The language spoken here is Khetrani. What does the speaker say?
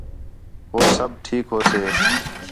ہوچ سب ٹھیک ہوسے